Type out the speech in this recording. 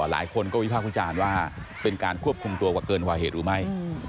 หลายคนก็วิพากษ์วิจารณ์ว่าเป็นการควบคุมตัวว่าเกินกว่าเหตุหรือไม่